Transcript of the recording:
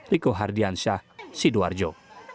riko hardiansyah sidoarjo